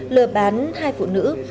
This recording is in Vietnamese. lừa bán hai phụ nữ